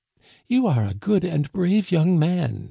" You are a good and brave young man